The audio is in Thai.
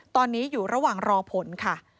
ตอนนี้อยู่ระหว่างรอผลค่ะ